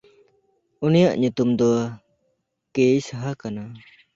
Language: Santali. ᱩᱱᱤᱭᱟᱜ ᱧᱩᱛᱩᱢ ᱫᱚ ᱠᱮᱭᱤᱥᱦᱟ ᱠᱟᱱᱟ᱾